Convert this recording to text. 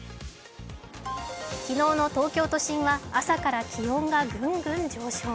昨日の東京都心は朝から気温がぐんぐん上昇。